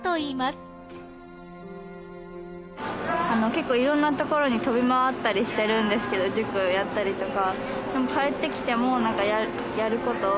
結構色んな所に飛び回ったりしてるんですけど塾やったりとか。